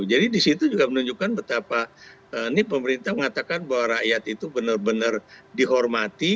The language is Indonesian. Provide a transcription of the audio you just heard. jadi di situ juga menunjukkan betapa ini pemerintah mengatakan bahwa rakyat itu benar benar dihormati